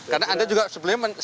karena anda juga sebelumnya